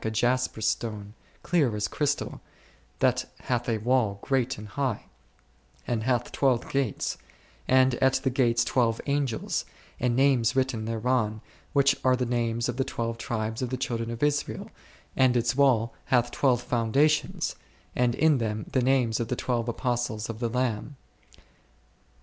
O O o _o a jasper stone, clear as crystal ; that hath a wall great and high ; that hath twelve gates, and at the gates twelve Angels, and names written thereon, which are the names of the twelve tribes of the children of Israel, and its wall hath twelve foundations, and in them the names of the twelve Apostles of the Lamb u .